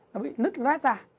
nó bị nứt rát ra